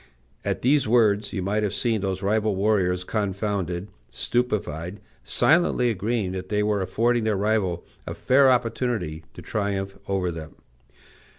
At these words you might have seen those rival warriors confounded, stupefied, silently agreeing that they were affording their rival a fair opportunity to triumph over them.